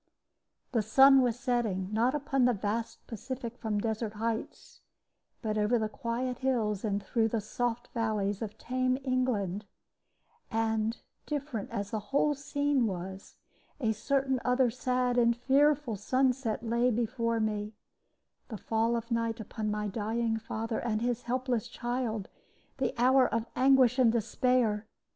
The sun was setting, not upon the vast Pacific from desert heights, but over the quiet hills and through the soft valleys of tame England; and, different as the whole scene was, a certain other sad and fearful sunset lay before me: the fall of night upon my dying father and his helpless child, the hour of anguish and despair!